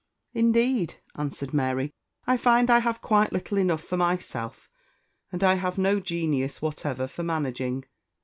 "Indeed," answered Mary, "I find I have quite little enough for myself, and I have no genius whatever for managing.